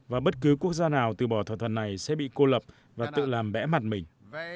và bất cứ quốc gia nào từ bỏ thỏa thuận này sẽ bị cô lập và tự làm bẽ mặt mình